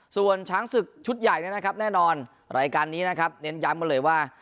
ส่วนช้างศึกชุดใหญ่แน่นอนรายการนี้เน้นย้ำกันเลยว่า